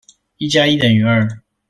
一加一等於二。